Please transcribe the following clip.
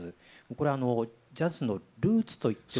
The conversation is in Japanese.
これあのジャズのルーツといってもいい。